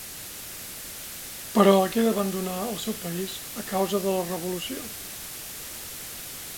Però hagué d'abandonar el seu país a causa de la Revolució.